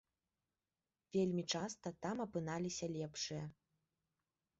Вельмі часта там апыналіся лепшыя.